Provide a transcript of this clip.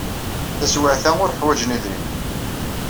Taswiɛt-a, ur ḥwajen idrimen.